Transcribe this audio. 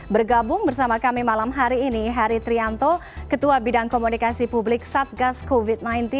bergabung bersama kami malam hari ini heri trianto ketua bidang komunikasi publik satgas covid sembilan belas